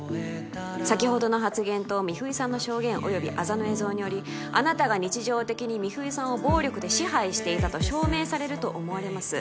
先ほどの発言と美冬さんの証言およびアザの映像によりあなたが日常的に美冬さんを暴力で支配していたと証明されると思われます